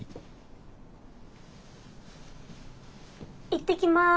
行ってきます。